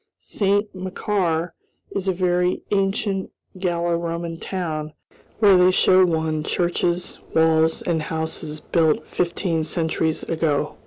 Saint Macaire is a very ancient Gallo Roman town, where they show one churches, walls, and houses built fifteen centuries ago.